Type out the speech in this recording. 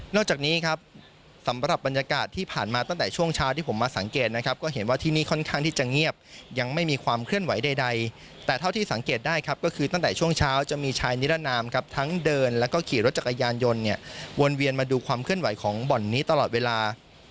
จากนี้ครับสำหรับบรรยากาศที่ผ่านมาตั้งแต่ช่วงเช้าที่ผมมาสังเกตนะครับก็เห็นว่าที่นี่ค่อนข้างที่จะเงียบยังไม่มีความเคลื่อนไหวใดแต่เท่าที่สังเกตได้ครับก็คือตั้งแต่ช่วงเช้าจะมีชายนิรนามครับทั้งเดินแล้วก็ขี่รถจักรยานยนต์เนี่ยวนเวียนมาดูความเคลื่อนไหวของบ่อนนี้ตลอดเวลา